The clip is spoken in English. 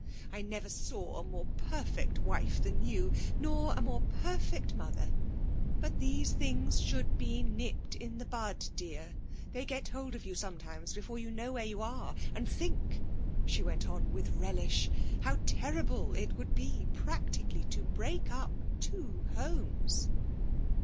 I never saw a more perfect wife than you, nor a more perfect mother. But these things should be nipped in the bud, dear. They get hold of you sometimes before you know where you are. And think,' she went on with relish, 'how terrible it would be practically to break up two homes!'